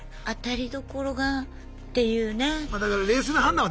当たりどころがっていうね。